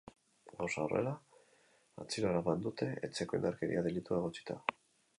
Gauzak horrela, atxilo eraman dute etxeko indarkeria delitua egotzita.